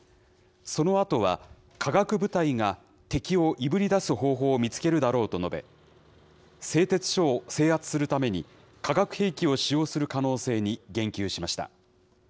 そのあとは、化学部隊が敵をいぶり出す方法を見つけるだろうと述べ、製鉄所を制圧するために、化学兵器を使用する可能性に言及しました。